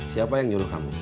siapa yang nyuruh kamu